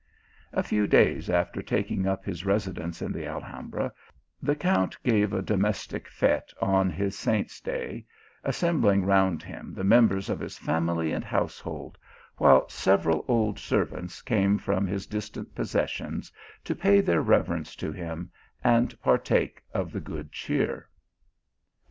A few days after taking up his residence in the Alhambra, the Count gave a domestic fete on his saint s day, assembling round him the members of his family and household, while several old servants came from his distant possessions to pay their reverence to him, and partake of the good cheer.